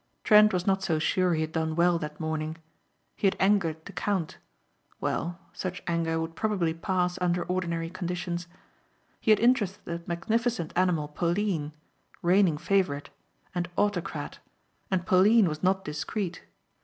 Trent was not so sure he had done well that morning. He had angered the count. Well, such anger would probably pass under ordinary conditions. He had interested that magnificent animal Pauline, reigning favorite, and autocrat, and Pauline was not discreet.